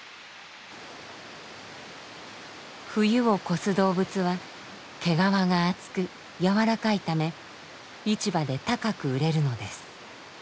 冬を越す動物は毛皮が厚く柔らかいため市場で高く売れるのです。